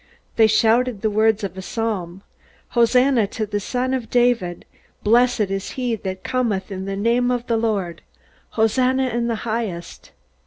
They shouted the words of a psalm: "'Hosanna to the son of David: Blessed is he that cometh in the name of the Lord; Hosanna in the highest.'"